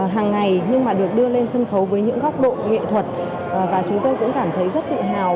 hàng ngày nhưng mà được đưa lên sân khấu với những góc độ nghệ thuật và chúng tôi cũng cảm thấy rất tự hào